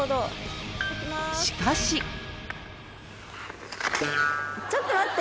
しかしちょっと待って！